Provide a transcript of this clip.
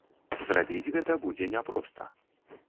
Зрабіць гэта будзе няпроста.